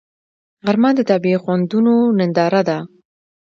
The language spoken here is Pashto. غرمه د طبیعي خوندونو ننداره ده